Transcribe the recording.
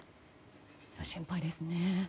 心配ですね。